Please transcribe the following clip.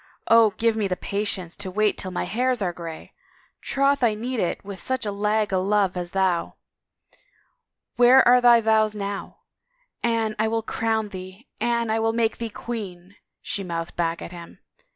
" Oh, God give me patience to wait till my hairs are grayl Troth I need it with such a lag o' love as thou! ... Where are thy vows now ?* Anne, I will crown thee — Anne, I will make thee queen 1 '" she mouthed back at him.